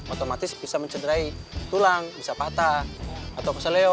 otomatis bisa mencederai tulang bisa patah atau keseleo